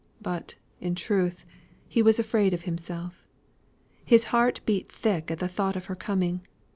But, in truth, he was afraid of himself. His heart beat thick at the thought of her coming.